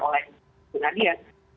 oleh bu nadia